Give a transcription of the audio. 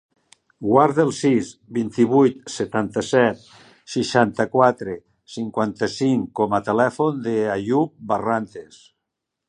Guarda el sis, vint-i-vuit, setanta-set, seixanta-quatre, cinquanta-cinc com a telèfon de l'Àyoub Barrantes.